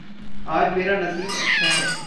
आज मेरा नसीब अच्छा है।